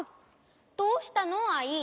どうしたのアイ？